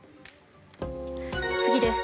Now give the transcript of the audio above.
次です。